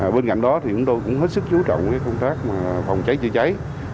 bên cạnh đó thì chúng tôi cũng hết sức chú trọng công tác phòng cháy chữa cháy